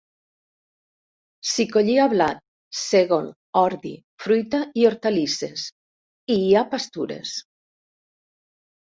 S'hi collia blat, sègol, ordi, fruita i hortalisses, i hi ha pastures.